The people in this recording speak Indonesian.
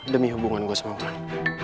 demi hubungan gue sama orang